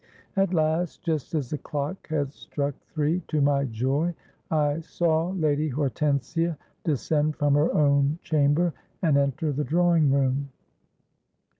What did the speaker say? At last, just as the clock had struck three, to my joy I saw Lady Hortensia descend from her own chamber, and enter the drawing room.